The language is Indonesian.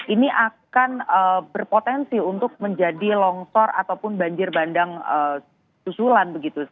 ini akan berpotensi untuk menjadi longsor ataupun banjir bandang susulan begitu